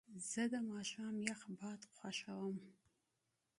زه د ماښام یخ باد خوښوم.